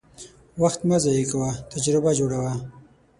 وخت مه ضایع کوه، تجربه جوړه وه.